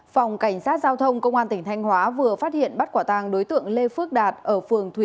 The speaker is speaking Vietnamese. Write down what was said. phòng cảnh sát giao thông công an tỉnh thanh hóa vừa phát hiện bắt quả tàng đối tượng lê phước đạt ở phường thủy